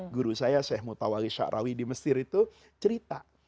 guru saya syekh mutawali sha'arawi di mesir itu cerita